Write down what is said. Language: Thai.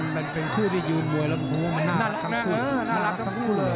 มันเป็นคู่ที่ยืนมวยแล้วโหน่ารักทั้งคู่